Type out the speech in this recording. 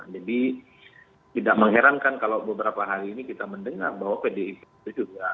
jadi tidak mengherankan kalau beberapa hari ini kita mendengar bahwa pdip itu juga